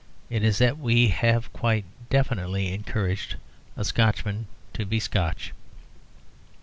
It is that we have quite definitely encouraged a Scotchman to be Scotch.